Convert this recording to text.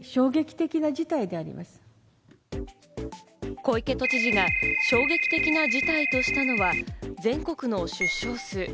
小池都知事が衝撃的な事態としたのは全国の出生数。